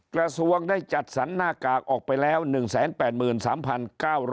กระทรวงได้จัดสรรหน้ากากออกไปแล้ว๑๘๓๙๐๐